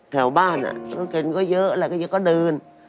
แถวบ้านน่ะต้องเช็นก็เยอะอะไรก็เยอะก็เดิน